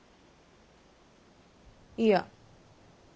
いや。